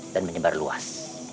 dan menyebar luas